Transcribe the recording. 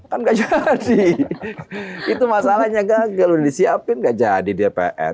kan gak jadi itu masalahnya gagal udah disiapin gak jadi dpr